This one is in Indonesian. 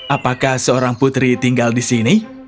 apakah seorang putri tinggal di sini